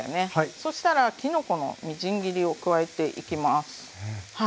そしたらきのこのみじん切りを加えていきます。